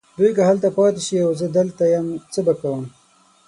که دوی هلته پاته شي او زه دلته یم څه به کوم؟